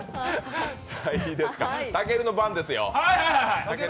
たけるの番ですよ。